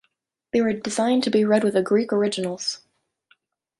They were designed to be read with the Greek originals.